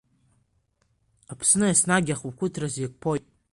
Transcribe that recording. Аԥсны еснагь ахақәиҭраз иқәԥоит.